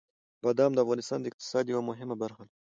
بادام د افغانستان د اقتصاد یوه مهمه برخه ده.